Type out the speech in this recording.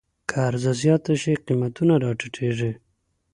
که عرضه زیاته شي، قیمتونه راټیټېږي.